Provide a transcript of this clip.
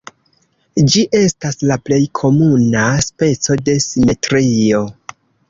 Ĝi estas la plej komuna speco de simetrio.